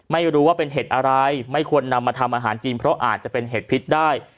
ไม่รู้ว่าเป็นเห็ดอะไรไม่ควรนำมาทำอาหารจีนเพราะอาจจะเป็นเห็ดพิษได้